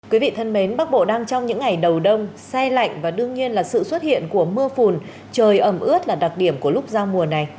quý vị thân mến bắc bộ đang trong những ngày đầu đông say lạnh và đương nhiên là sự xuất hiện của mưa phùn trời ẩm ướt là đặc điểm của lúc giao mùa này